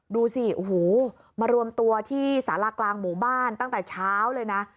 ดูสิโอ้โหมารวมตัวที่สารากลางหมู่บ้านตั้งแต่เช้าเลยนะ